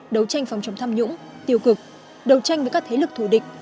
đấu tranh phòng chống tham nhũng tiêu cực đấu tranh với các thế lực thù địch